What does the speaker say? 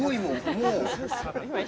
もう。